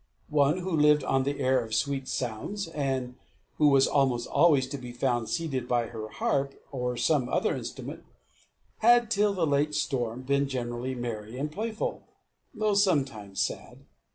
One, who lived on the air of sweet sounds, and who was almost always to be found seated by her harp or some other instrument, had, till the late storm, been generally merry and playful, though sometimes sad.